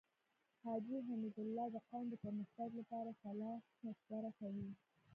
حاجی حميدالله د قوم د پرمختګ لپاره صلاح مشوره کوي.